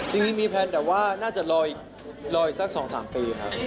จริงมีแพลนแต่ว่าน่าจะรออีก๒๓ปีค่ะ